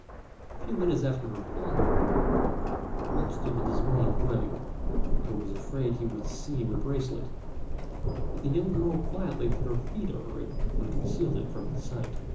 A few minutes after her father appeared, much to the dismay of Wang, who was afraid he would see the bracelet; but the young girl quietly placed her feet over it, and concealed it from his sight.